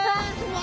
わ！